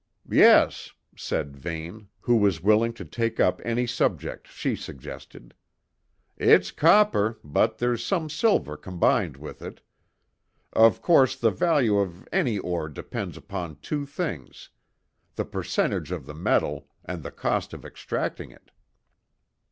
"Yes," said Vane, who was willing to take up any subject she suggested; "it's copper, but there's some silver combined with it. Of course, the value of any ore depends upon two things the percentage of the metal, and the cost of extracting it."